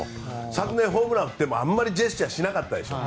昨年、ホームラン打ってもあまりジェスチャーをしなかったでしょ。